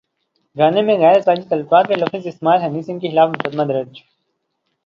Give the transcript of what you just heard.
گانے میں غیر ازدواجی تعلقات کا لفظ استعمال ہنی سنگھ کے خلاف مقدمہ درج